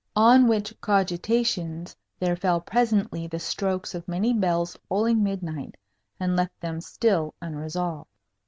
On which cogitations there fell presently the strokes of many bells tolling midnight, and left them still unresolved.